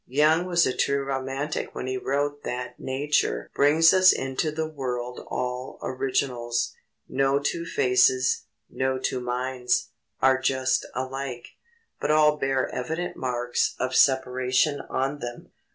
Young was a true romantic when he wrote that Nature "brings us into the world all Originals no two faces, no two minds, are just alike; but all bear evident marks of separation on them.